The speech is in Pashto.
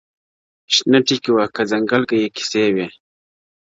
• شنه ټگي وه که ځنگل که یې کیسې وې -